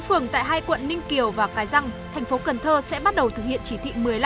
chín phường tại hai quận ninh kiều và cái răng tp cn sẽ bắt đầu thực hiện chỉ thị một mươi năm